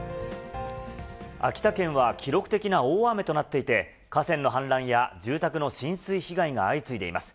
秋田県は記録的な大雨となっていて、河川の氾濫や住宅の浸水被害が相次いでいます。